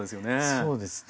そうですね。